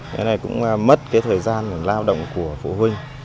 cái này cũng mất thời gian làm lao động của phụ huynh